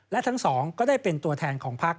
และทั้งสองก็ได้เป็นตัวแทนของพัก